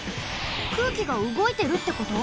空気がうごいてるってこと？